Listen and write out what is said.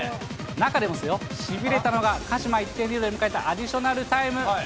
中でも、しびれたのが、鹿島１点リードで迎えたアディショナルタイム。